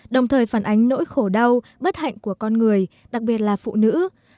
đồng thời phản ánh nỗi khổ đau bất hạnh của con người đặc biệt là phụ nữ